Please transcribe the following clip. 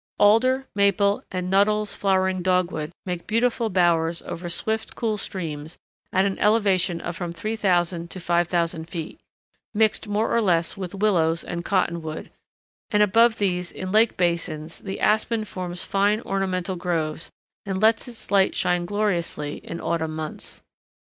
Alder, Maple, and Nuttall's Flowering Dogwood make beautiful bowers over swift, cool streams at an elevation of from 3000 to 5000 feet, mixed more or less with willows and cottonwood; and above these in lake basins the aspen forms fine ornamental groves, and lets its light shine gloriously in the autumn months.